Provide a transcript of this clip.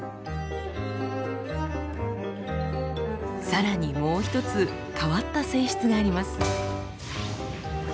さらにもう一つ変わった性質があります。